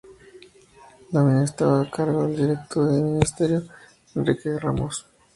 La Mina estaba a cargo directo del Ministerio de Hacienda de Enrique Ramos.